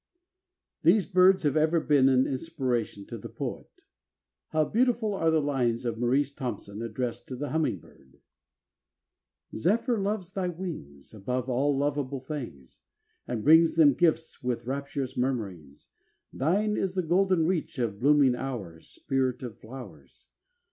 These birds have ever been an inspiration to the poet. How beautiful are these lines of Maurice Thompson, addressed to the hummingbird: Zephyr loves thy wings Above all lovable things, And brings them gifts with rapturous murmurings. Thine is the golden reach of blooming hours; Spirit of flowers!